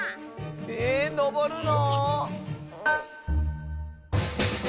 ええっ⁉のぼるの？